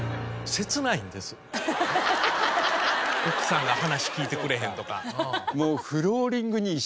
奥さんが話聞いてくれへんとか。